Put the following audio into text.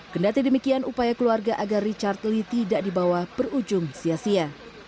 kendati demikian upaya keluarga agar richard lee tidak dibawa berujung sia sia